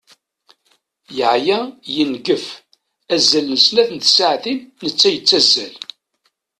Yeɛya, yengef, azal n snat n tsaɛtin netta yettazzal.